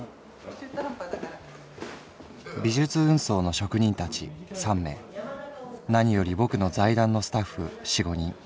「美術運送の職人たち三名何よりぼくの財団のスタッフ四五人。